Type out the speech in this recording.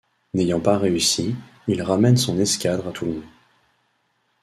N'ayant pas réussi, il ramène son escadre à Toulon.